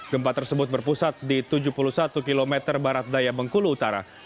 gempa tersebut berpusat di tujuh puluh satu km barat daya bengkulu utara